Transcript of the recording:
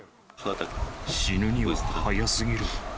死ぬには早すぎる。